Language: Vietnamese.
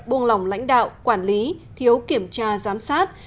buông lỏng lãnh đạo quản lý thiếu kiểm tra giám sát